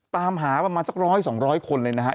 ตามหาประมาณสัก๑๐๐๒๐๐คนเลยนะฮะ